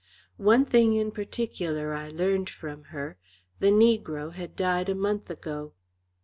One thing in particular I learned from her, the negro had died a month ago.